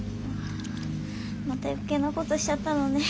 また余計なことしちゃったのね。